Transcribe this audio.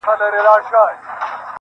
دا هم ستا له ترجمان نظره غواړم,